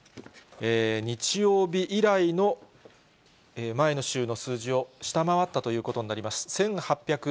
日曜日以来の前の週の数字を下回ったということになります。